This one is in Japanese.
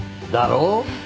だろ？